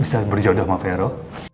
bisa berjodoh sama vero